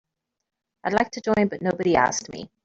I'd like to join but nobody asked me.